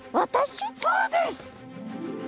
そうです！